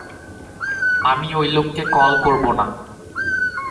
আমি ওই লোককে কল করব না।